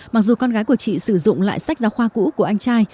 mặc dù con gái của chị sử dụng lại sách giáo khoa cũ của anh trai